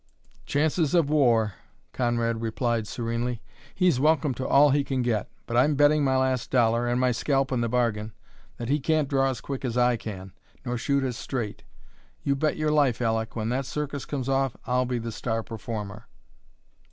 "Chances of war," Conrad replied serenely. "He's welcome to all he can get. But I'm betting my last dollar, and my scalp in the bargain, that he can't draw as quick as I can, nor shoot as straight. You bet your life, Aleck, when that circus comes off I'll be the star performer."